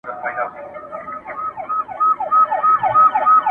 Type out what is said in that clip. بیا د یار پر کوڅه راغلم، پټ په زړه کي بتخانه یم!!